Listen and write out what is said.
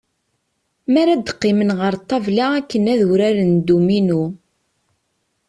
Mi ara d-qqimen ɣer ṭṭabla akken ad uraren dduminu.